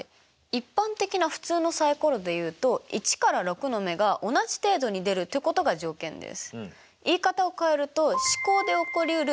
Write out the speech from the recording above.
一般的な普通のサイコロでいうと１から６の目が同じ程度に出るということが条件です。